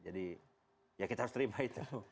jadi ya kita harus terima itu loh